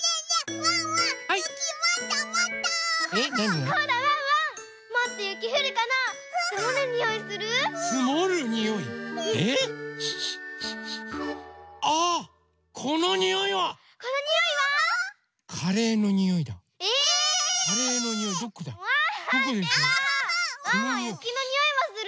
ワンワンゆきのにおいはする？